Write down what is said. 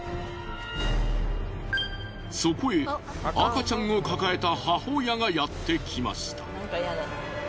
そこへ赤ちゃんを抱えた母親がやってきました。